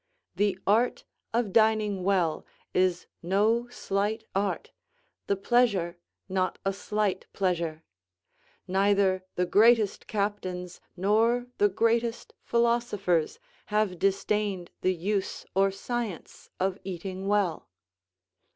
The art of dining well is no slight art, the pleasure not a slight pleasure; neither the greatest captains nor the greatest philosophers have disdained the use or science of eating well.